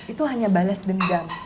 itu hanya bales dendam